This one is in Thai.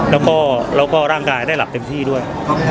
แล้วก็ร่างกายได้หลับเต็มที่ด้วย